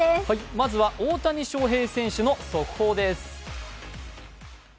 まずは大谷翔平選手の速報です。